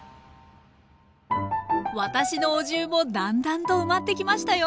私のお重もだんだんと埋まってきましたよ。